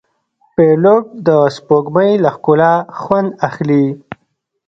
پیلوټ د سپوږمۍ له ښکلا خوند اخلي.